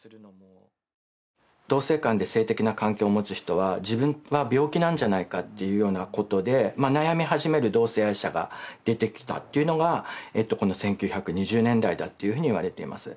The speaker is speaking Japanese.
同性間で性的な関係を持つ人は自分は病気なんじゃないかっていうようなことで悩み始める同性愛者が出てきたっていうのがこの１９２０年代だっていうふうにいわれています